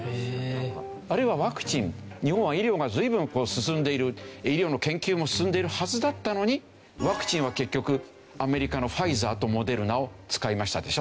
あるいはワクチン日本は医療が随分進んでいる医療の研究も進んでいるはずだったのにワクチンは結局アメリカのファイザーとモデルナを使いましたでしょ。